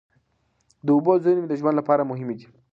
د اوبو زېرمې د ژوند لپاره مهمې دي.